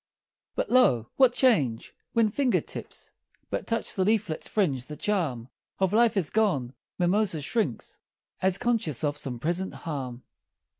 But, lo, what change! When finger tips But touch the leaflets' fringe, the charm Of life is gone Mimosa shrinks, As conscious of some present harm.